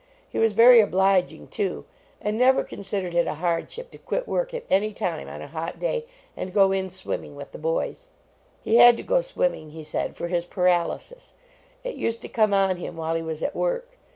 He was very obliging, too, and never considered it a hardship to quit work at any time on a hot day and go in swimming with the boys. He had to go swimming, he said, for his paralysis. It used to come on him while he was at work.